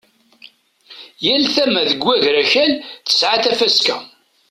Yal tama deg wagrakal tesɛa tafaska.